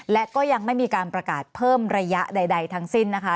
และก็ยังไม่มีการประกาศเพิ่มระยะใดทั้งสิ้นนะคะ